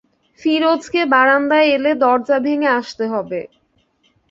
ফিরোজকে বারান্দায় এলে দরজা ভেঙে আসতে হবে।